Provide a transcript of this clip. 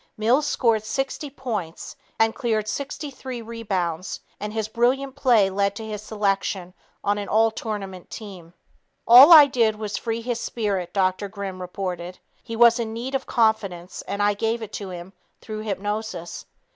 Mills scored 60 points and cleared 63 re bounds, and his brilliant play led to his selection on the all tournament team. "All I did was free his spirit," Dr. Grimm reported. "He was in need of confidence, and I gave it to him through hypnosis."